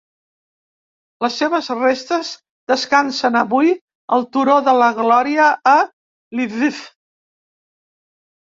Les seves restes descansen avui al Turó de la Glòria a Lviv.